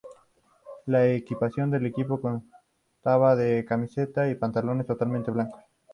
La equipación del equipo constaba de camiseta y pantalones totalmente blancos.